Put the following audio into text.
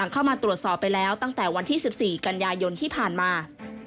เข้ามาตรวจสอบไปแล้วตั้งแต่วันที่๑๔กันยายนที่ผ่านมา